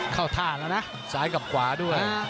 เข้าท่าแล้วนะซ้ายกับขวาด้วย